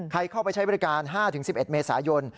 เข้าไปใช้บริการ๕๑๑เมษายน